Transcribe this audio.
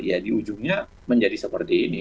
ya di ujungnya menjadi seperti ini